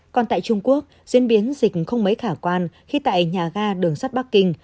còn tại trung quốc diễn biến dịch không mấy khả quan khi tại nhà ga đường sắt bắc kinh